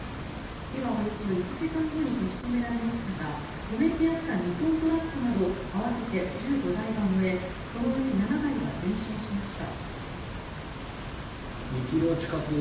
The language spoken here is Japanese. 火はおよそ１時間後に消し止められましたが止めてあった２トントラックなど合わせて１５台が燃えそのうち７台は全焼しました。